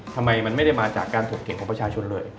ทำไมมันไม่ได้มาจากการถกเถียงของประชาชนเลย